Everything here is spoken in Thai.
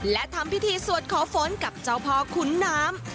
และทำพิธีสวดขอฝนกับเจ้าพ่อขุนน้ำ